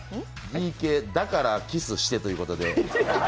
「だから、キス、して」ということで。